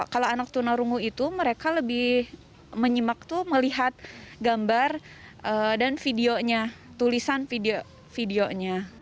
kalau anak tunarungu itu mereka lebih menyimak itu melihat gambar dan videonya tulisan videonya